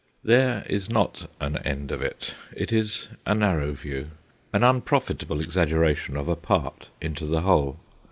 There is not an end of it. It is a narrow view, an unprofitable exaggeration of a part into the whole.